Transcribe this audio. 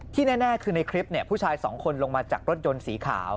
แน่คือในคลิปผู้ชายสองคนลงมาจากรถยนต์สีขาว